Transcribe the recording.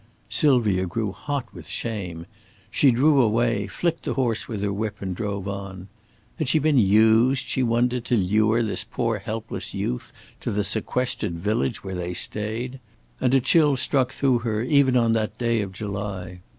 Sylvia grew hot with shame. She drew away, flicked the horse with her whip and drove on. Had she been used, she wondered, to lure this poor helpless youth to the sequestered village where they stayed? and a chill struck through her even on that day of July.